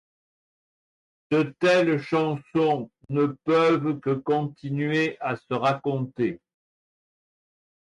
De telles chansons ne peuvent que continuer à se raconter.